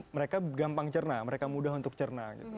mereka gampang cerna mereka mudah untuk cerna